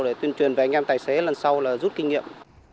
để tuyên truyền về anh em tài xế lần sau là rút kinh nghiệm